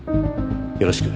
よろしく。